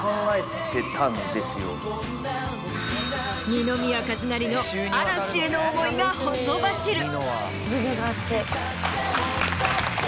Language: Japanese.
二宮和也の嵐への思いがほとばしる。